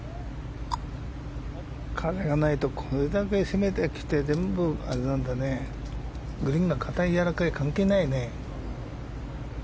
風がないとこれだけ攻めてきてグリーンが硬い、やわらかい関係ないね。